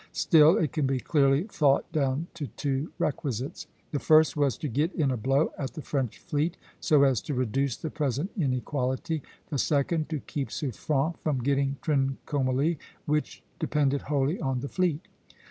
Still, it can be clearly thought down to two requisites. The first was to get in a blow at the French fleet, so as to reduce the present inequality; the second, to keep Suffren from getting Trincomalee, which depended wholly on the fleet.